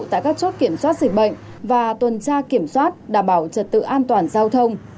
tại các chốt kiểm soát dịch bệnh và tuần tra kiểm soát đảm bảo trật tự an toàn giao thông